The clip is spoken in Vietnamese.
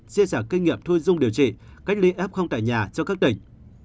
chia sẻ kinh nghiệm thu dung điều trị cách ly f tại nhà cho các tỉnh